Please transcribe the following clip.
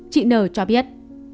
chị n cho biết